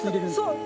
そう。